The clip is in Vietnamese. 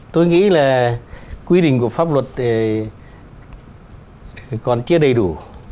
tôi nghĩ là quy định của pháp luật còn chưa đầy đủ